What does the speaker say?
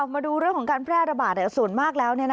มาดูเรื่องของการแพร่ระบาดส่วนมากแล้ว